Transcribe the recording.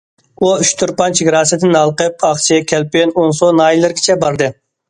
ئۇ ئۇچتۇرپان چېگراسىدىن ھالقىپ ئاقچى، كەلپىن، ئونسۇ ناھىيەلىرىگىچە باردى.